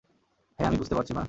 হ্যাঁ, আমি বুঝতে পারছি, মা।